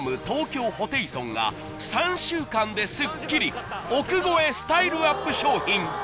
東京ホテイソンが３週間でスッキリ億超えスタイルアップ商品